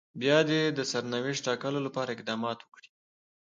بيا دې د سرنوشت ټاکلو لپاره اقدامات وکړي.